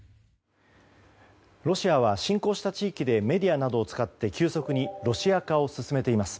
ロシアは侵攻した地域でメディアなどを使って急速にロシア化を進めています。